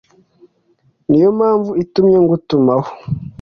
ni yo mpamvu itumye ngutumaho